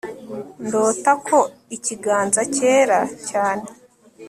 Ndota ko ikiganza cyera cyane